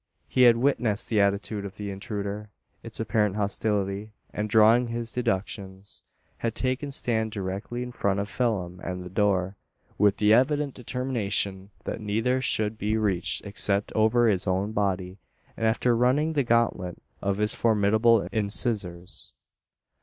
He had witnessed the attitude of the intruder its apparent hostility and drawing his deductions, had taken stand directly in front of Phelim and the door, with the evident determination that neither should be reached except over his own body, and after running the gauntlet of his formidable incisors.